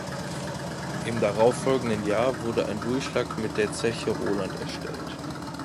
Im darauffolgenden Jahr wurde ein Durchschlag mit der Zeche Roland erstellt.